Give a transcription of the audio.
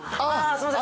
すいません。